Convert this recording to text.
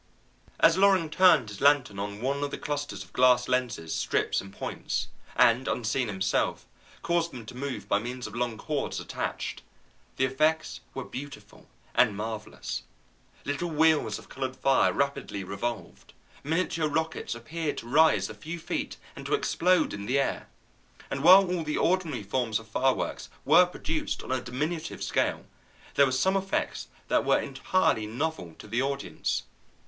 As Loring turned his lantern on one of the clusters of glass lenses, strips, and points, and, unseen himself, caused them to move by means of long cords attached, the effects were beautiful and marvellous. Little wheels of colored fire rapidly revolved, miniature rockets appeared to rise a few feet and to explode in the air, and while all the ordinary forms of fireworks were produced on a diminutive scale, there were some effects that were entirely novel to the audience.